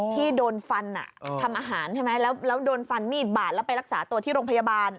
ที่โดนฟันทำอาหารใช่ไหมแล้วโดนฟันมีดบาดแล้วไปรักษาตัวที่โรงพยาบาล